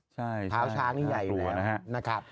ใช่ผ้าช้างยังใหญ่อน่ะ